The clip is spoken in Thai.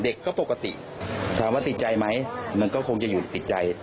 เด็กก็ปกติถามว่าติดใจไหมมันก็คงจะอยู่ติดใจ